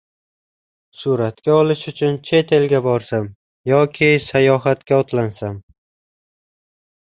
Suratga olish uchun chet elga borsam yoki sayohatga otlansam